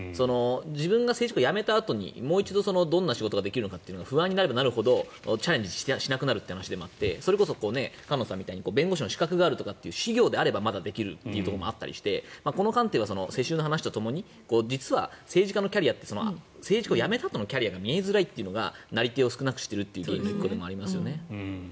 自分が政治家を辞めたあとにもう一度どんな仕事ができるのかって不安になればなるほどチャレンジしなくなるという話でもあってそれこそ菅野さんみたいに弁護士の資格があるとかだとまだできるということもあって世襲の話と一緒に政治家を辞めたあとのキャリアが見えづらいというのが内定を少なくしているという根っこの１個でもありますよね。